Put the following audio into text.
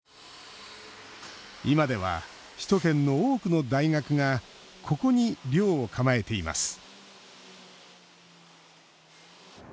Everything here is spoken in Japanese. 今では、首都圏の多くの大学がここに寮を構えています